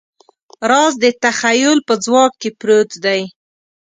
راز د تخیل په ځواک کې پروت دی.